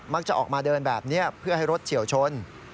จะออกมาเดินแบบนี้เพื่อให้รถเฉียวชน